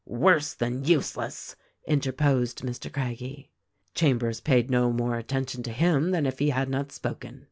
" 'Worse than useless!' interposed Mr. Craggie. "Chambers paid no more attention to him than if he had not spoken.